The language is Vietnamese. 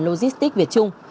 logistics việt trung